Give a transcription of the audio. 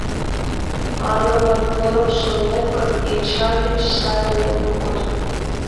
Аналан порым шонет гын, Эчан деч сай еҥым от му.